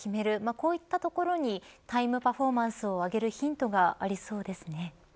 こういったところにタイムパフォーマンスを上げるヒントがありそうですね。